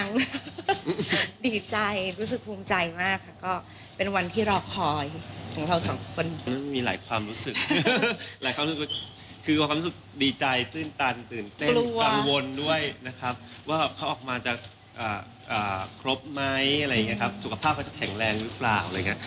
ครบไหมอะไรอย่างเงี้ยครับสุขภาพก็จะแข็งแรงหรือเปล่าอะไรอย่างเงี้ย